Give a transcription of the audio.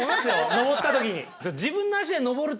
登った時に。